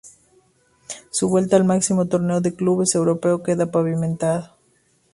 Su vuelta al máximo torneo de clubes europeo queda pavimentado.